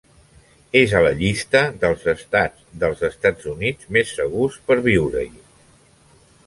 És a la llista dels estats dels Estats Units més segurs per viure-hi.